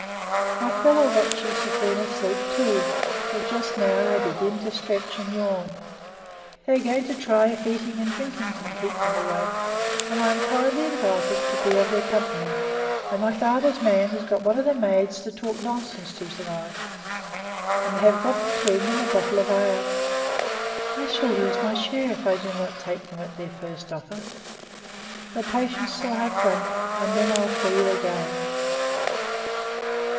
My fellow watchers have been asleep too, till just now they begin to stretch and yawn; they are going to try if eating and drinking can keep them awake, and I am kindly invited to be of their company; and my father's man has got one of the maids to talk nonsense to to night, and they have got between them a bottle of ale. I shall lose my share if I do not take them at their first offer. Your patience till I have drunk, and then I'll for you again.